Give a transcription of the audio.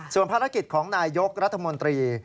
ส่วนภารกิจของนายยกรัฐมนตรี